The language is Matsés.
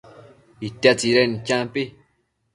itia tsidecnid champi